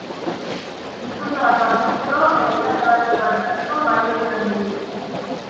Hizkuntza bat baztertzeko eta ikasle batzuk baztertzeko balio izan digu.